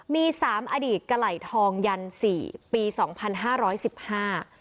มีสามอดีตกะไหล่ทองยันสี่ปีสองพันห้าร้อยสิบห้า